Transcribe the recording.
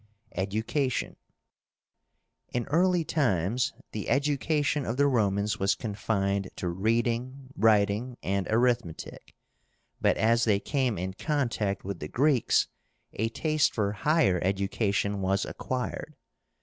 EDUCATION. In early times the education of the Romans was confined to reading, writing, and arithmetic; but as they came in contact with the Greeks a taste for higher education was acquired.